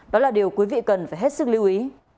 đó là điều quý vị cần phải hết sức lưu ý